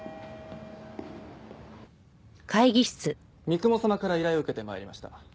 三雲様から依頼を受けて参りました。